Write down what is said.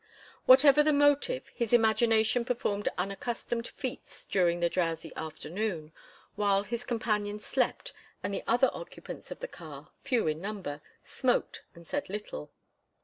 Whatever the motive, his imagination performed unaccustomed feats during the drowsy afternoon, while his companion slept and the other occupants of the car, few in number, smoked and said little.